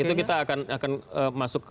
itu kita akan masuk ke